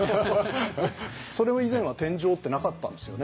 それも以前は天井ってなかったんですよね。